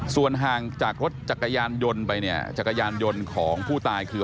ส่วนห่างจากรถจักรยานยนต์ไปเนี่ยจักรยานยนต์ของผู้ตายคือ